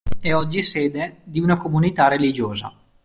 È oggi sede di una comunità religiosa.